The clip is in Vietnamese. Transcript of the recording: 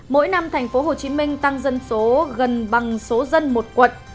mỗi năm thành phố hồ chí minh tăng dân số gần bằng số dân một quận